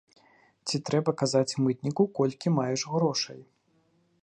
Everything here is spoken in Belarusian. Ці трэба казаць мытніку, колькі маеш грошай?